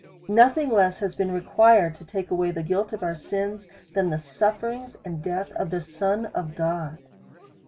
Nothing less has been required to take away the guilt of our sins, than the sufferings and death of the j!>on of God.